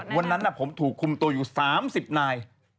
วันนั้นผมถูกคุมตัวอยู่๓๐นาย